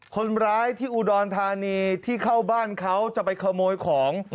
คนร้ายที่อุดรธานีที่เข้าบ้านเขาจะไปขโมยของ